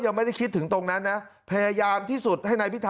ไม่ได้คิดถึงตรงนั้นนะพยายามที่สุดให้นายพิธา